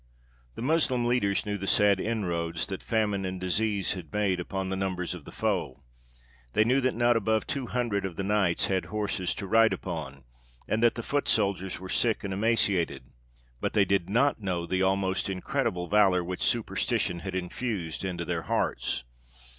The Moslem leaders knew the sad inroads that famine and disease had made upon the numbers of the foe; they knew that not above two hundred of the knights had horses to ride upon, and that the foot soldiers were sick and emaciated; but they did not know the almost incredible valour which superstition had infused into their hearts.